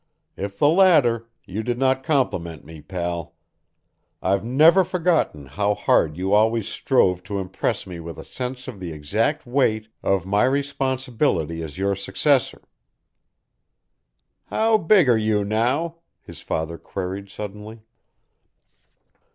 If the latter, you did not compliment me, pal. I've never forgotten how hard you always strove to impress me with a sense of the exact weight of my responsibility as your successor." "How big are you now?" his father queried suddenly.